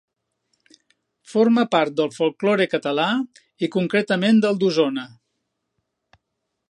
Forma part del folklore català i, concretament, del d'Osona.